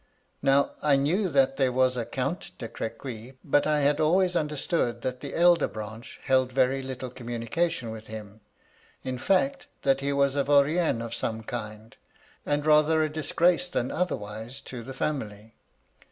Now, I knew that there was a Count de Crequy; but I had always understood that the elder branch held very little communication with him ; in fact, that he was a vaurien of some kind, and rather a disgrace than other wise to the family.